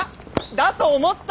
だと思った！